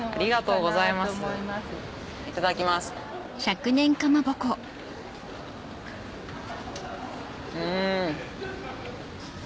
うん。